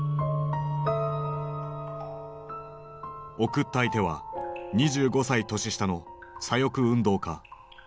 送った相手は２５歳年下の左翼運動家。